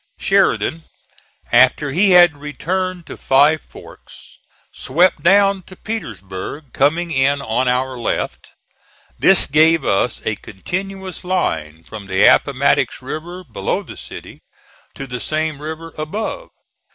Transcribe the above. Sheridan, after he had returned to Five Forks, swept down to Petersburg, coming in on our left. This gave us a continuous line from the Appomattox River below the city to the same river above.